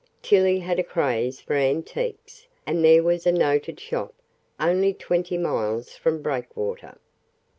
Tillie had a craze for antiques, and there was a noted shop only twenty miles from Breakwater.